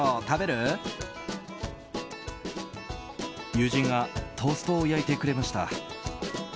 友人がトーストを焼いてくれました。